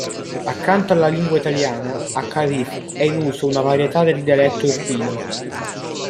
Accanto alla lingua italiana, a Carife è in uso una varietà del dialetto irpino.